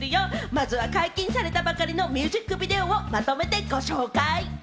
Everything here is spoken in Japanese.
まずは解禁されたばかりのミュージックビデオをまとめてご紹介。